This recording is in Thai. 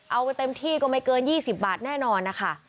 เอาไปเต็มที่ก็ไม่เกิน๒๐บาทแน่นอนนะคะ